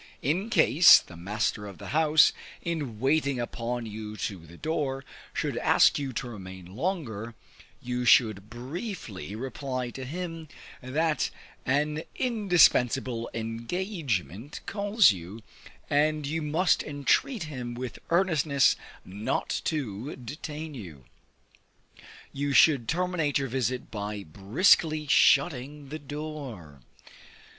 In case the master of the house, in waiting upon you to the door, should ask you to remain longer, you should briefly reply to him, that an indispensable engagement calls you, and you must entreat him with earnestness not to detain you. You should terminate your visit by briskly shutting the door.